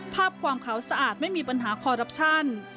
ภาพความขาวสะอาดไม่มีปัญหาคอรัปชั่น